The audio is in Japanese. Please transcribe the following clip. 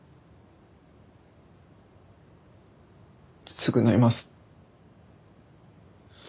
償います。